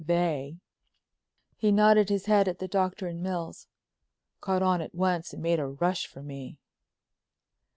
They," he nodded his head at the Doctor and Mills, "caught on at once and made a rush for me.